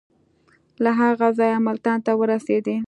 له هغه ځایه ملتان ته ورسېدی.